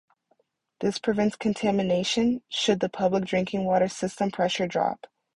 This prevents contamination should the public drinking water system's pressure drop.